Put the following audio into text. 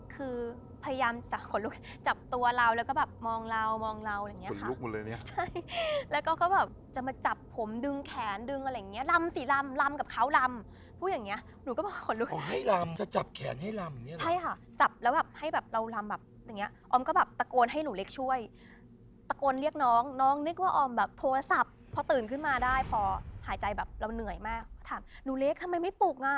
คือพยายามจะขนลุกจับตัวเราแล้วก็มองเราอะไรอย่างนี้ค่ะ